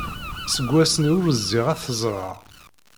Seg wass-nni ur zziɣ ad t-ẓreɣ.